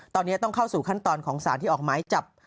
ตอนนี้ต้องเข้าสู่ขั้นตอนของสารที่ออกหมายจับ